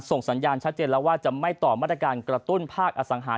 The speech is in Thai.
สัญญาณชัดเจนแล้วว่าจะไม่ต่อมาตรการกระตุ้นภาคอสังหาร